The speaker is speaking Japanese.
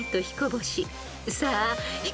［さあ］